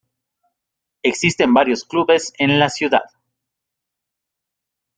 Existen varios clubes en la ciudad.